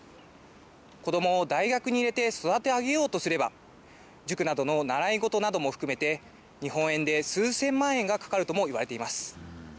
子どもを大学に入れて育て上げようとすれば、塾などの習い事なども含めて、日本円で数千万円がかかるともいわれています。